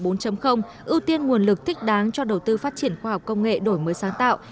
ưu tiên nguồn lực thích đáng cho đầu tư phát triển khoa học công nghệ đổi mới sáng tạo